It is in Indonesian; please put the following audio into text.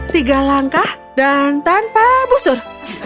tiga langkah dan tanpa busur